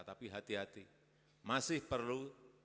tapi hati hati masih perlu